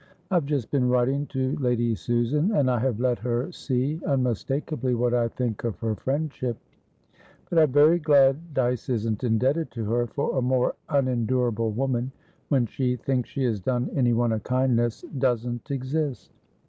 I've just been writing to Lady Susan, and I have let her see unmistakably what I think of her friendship. But I'm very glad Dyce isn't indebted to her, for a more unendurable woman, when she thinks she has done anyone a kindness, doesn't exist.